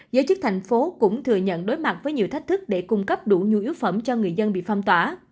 giới chức thành phố cũng thừa nhận đối mặt với nhiều thách thức để cung cấp đủ nhu yếu phẩm cho người dân bị phong tỏa